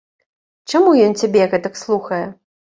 Чаму ён цябе гэтак слухае?